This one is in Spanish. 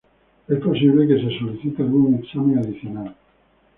Es posible que se solicite algún examen adicional.